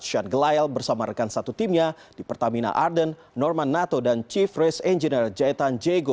shane glyle bersama rekan satu timnya di pertamina arden norman nato dan chief race engineer jaitan jaego